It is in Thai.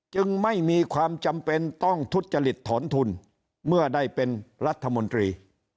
จึงไม่มีความจำเป็นต้องทุจริตถอนทุนเมื่อได้เป็นรัฐมนตรี